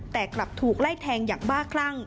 แต่กลับถูกไล่แทงอย่างบ้าคลั่ง